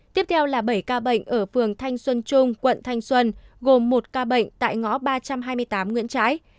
tiếp theo là bảy ca bệnh ở phường thanh xuân trung quận thanh xuân gồm một ca bệnh tại ngõ ba trăm hai mươi tám nguyễn trãi